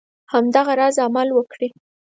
همدغه راز عمل وکړي.